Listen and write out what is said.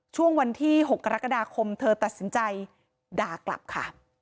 ช่วงวันที่๖กรกฎาคมเธอตัดสินใจด่ากลับค่ะ